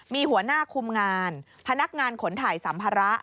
มีหัวหน้าคุมงานพนักงานขนถ่ายสัมภาระ